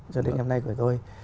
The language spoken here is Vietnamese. cho đến ngày hôm nay của tôi